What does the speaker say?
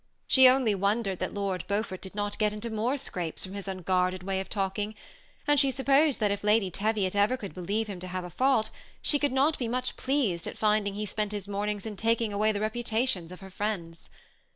She only wondered that Lord Beaufort did not get into more scrapes from his unguarded way of talk ifig ; and she supposed that if Lady Teviot ever could believe him to have a fault, she could not be much pleased at finding he spent his mornings in taking away the reputation of her friends.